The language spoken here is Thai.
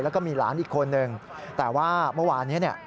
แล้วก็มีหลานอีกคนนึงแต่ว่าเมื่อวานนี้เนี่ย